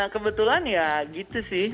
kebetulan ya gitu sih